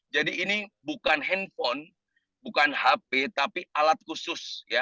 jadi ini bukan handphone bukan hp tapi alat khusus